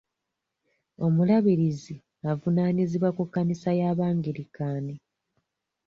Omulabirizi avunaanyizibwa ku kkanisa y'abangirikaani.